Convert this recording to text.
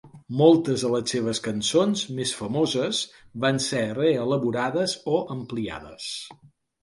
Moltes de les seves cançons més famoses van ser reelaborades o ampliades.